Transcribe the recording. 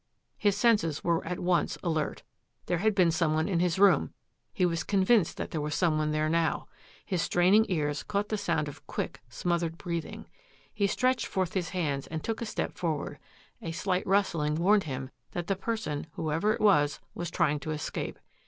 His senses were at once alert. There had been some one in his room ; he was convinced that there was some one there now. His straining ears caught the sound of quick, smothered breathing. He stretched forth his hands and took a step for ward. A slight rustling warned him that the per son, whoever it was, was trying to escape.